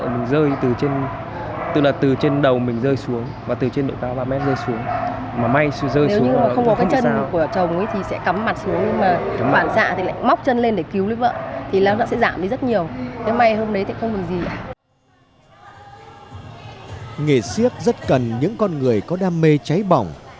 nghề siếc rất cần những con người có đam mê cháy bỏng